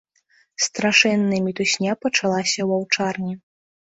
Страшэнная мітусня пачалася ў аўчарні.